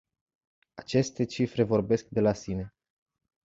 Aceste cifre vorbesc de la sine.